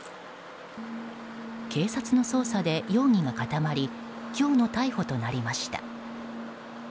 警察の捜査で容疑が固まり今日の逮捕となりました。